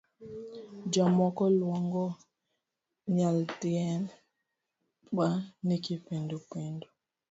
Jomoko luongo nyaldiema ni kipindu pindu.